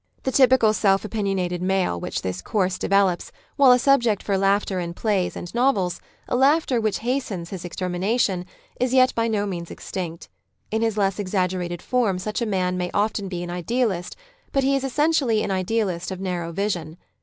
The typical self opinionated male which this course develops, while a subject for laughter in plays and novels, a laughter which hastens his extermination, is yet by no means extinct. In his less exaggerated form such a man may often be an idealist, but he is essentially an idealist of narrow vision.